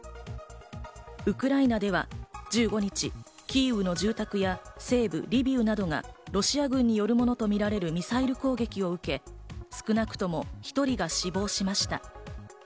ウクライナでは１５日、キーウの住宅や西部リビウなどがロシア軍によるものとみられるミサイル攻撃を受け、少なくとも１人が死亡しました。